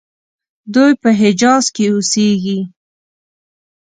دوی په حجاز کې اوسیږي.